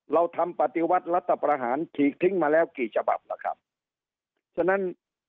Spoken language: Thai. เราทำปฏิวัติรัฐประหารฉีกทิ้งมาแล้วกี่ฉบับล่ะครับฉะนั้น